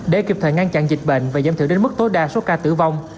để kịp thời ngăn chặn dịch bệnh và giảm thiểu đến mức tối đa số ca tử vong